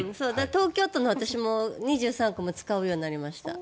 東京都の私も２３区も使うようになりました。